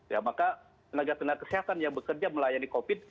ya maka tenaga tenaga kesehatan yang bekerja melayani covid